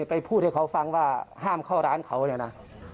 ไปพูดให้เขาฟังว่าห้ามเข้าร้านเขาเนี่ยนะ